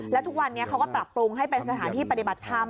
แล้วทุกวันนี้เขาก็ปรับปรุงให้เป็นสถานที่ปฏิบัติธรรม